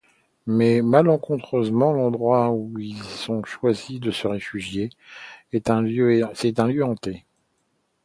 Mais, malencontreusement, l'endroit où ils ont choisi de se réfugier, est un lieu hanté.